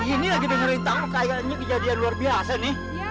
ini lagi dengerin tau kayaknya kejadian luar biasa nih